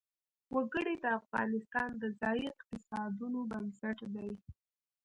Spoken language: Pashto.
وګړي د افغانستان د ځایي اقتصادونو بنسټ دی.